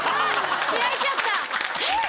開いちゃった。